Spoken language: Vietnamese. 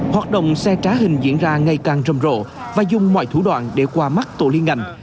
hoạt động xe trá hình diễn ra ngày càng rầm rộ và dùng mọi thủ đoạn để qua mắt tổ liên ngành